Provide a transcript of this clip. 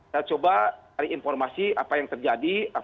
saya coba cari informasi apa yang terjadi